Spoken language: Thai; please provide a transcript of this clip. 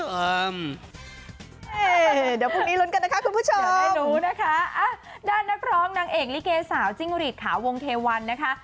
เดี๋ยวได้รู้นะคะด้านนักร้องนางเอกลิเกสาจิงหวิตขาวงเทวันนะคะ